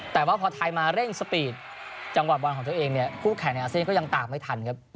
แต่ว่าพอไทยมาเร่งสปีดจังหวะบอลของตัวเองเนี่ยคู่แข่งในอาเซียนก็ยังตามไม่ทันครับ